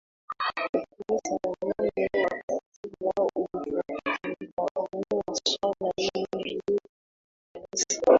ukurasa wa nane wa katiba ulifafanua suala hili vyema kabisa